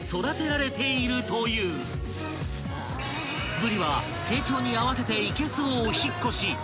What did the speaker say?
［ぶりは成長に合わせていけすをお引っ越し］